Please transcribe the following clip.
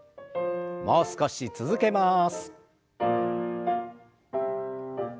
もう少し続けます。